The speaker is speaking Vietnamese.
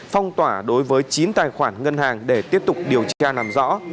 phong tỏa đối với chín tài khoản ngân hàng để tiếp tục điều tra làm rõ